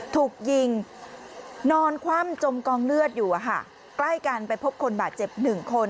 ถูกยิงนอนคว่ำจมกองเลือดอยู่ใกล้กันไปพบคนบาดเจ็บหนึ่งคน